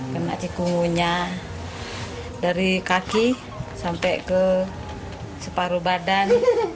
kena cikungunya dari kaki sampai ke separuh badan